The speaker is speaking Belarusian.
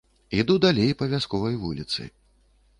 Іду далей па вясковай вуліцы.